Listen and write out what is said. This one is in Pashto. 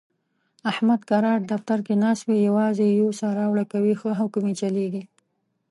احمد کرار دفتر کې ناست وي، یووازې یوسه راوړه کوي، ښه حکم یې چلېږي.